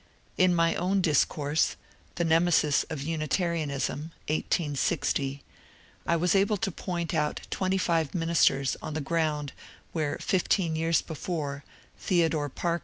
In my own discourse, ^^The Neme sis of Unitarianism," 1860, 1 was able to point out twenty five ministers on the ground where fifteen years before Theodore Parker laboured alone.